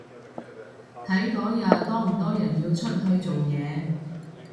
睇嗰日多唔多人要出去做嘢